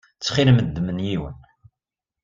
Ttxil-m ddem-n yiwen.